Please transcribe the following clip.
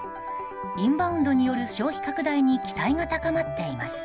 インバウンドによる消費拡大に期待が高まっています。